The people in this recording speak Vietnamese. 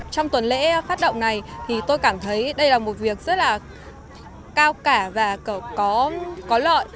trong tuần lễ phát động này thì tôi cảm thấy đây là một việc rất là cao cả và có lợi